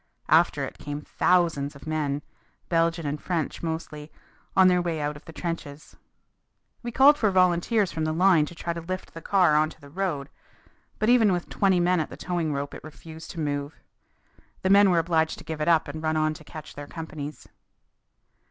After it came thousands of men, Belgian and French mostly, on their way out of the trenches. We called for volunteers from the line to try to lift the car onto the road. But even with twenty men at the towing rope it refused to move. The men were obliged to give it up and run on to catch their companies.